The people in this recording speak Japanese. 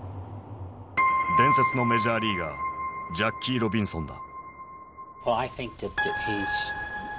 伝説のメジャーリーガージャッキー・ロビンソンだ。